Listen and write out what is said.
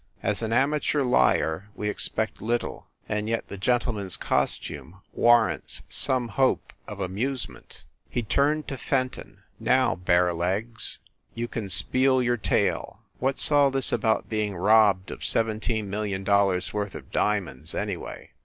As an amateur liar, we expect little and yet the gentle man s costume warrants some hope of amusement." 86 FIND THE WOMAN He turned to Fenton. "Now, bare legs, you can spiel your tale. What s all this about being robbed of seventeen million dollars worth of diamonds, anyway?